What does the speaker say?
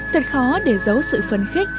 thật khó để giấu sự phân khích